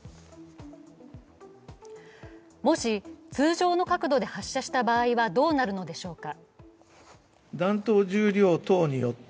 もし通常の角度で発射した場合はどうなるのでしょうか。